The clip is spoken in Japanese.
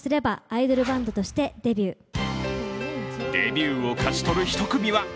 デビューを勝ち取る１組は！？